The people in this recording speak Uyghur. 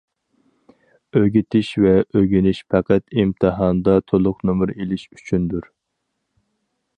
ئۆگىتىش ۋە ئۆگىنىش پەقەت ئىمتىھاندا تولۇق نومۇر ئېلىش ئۈچۈندۇر.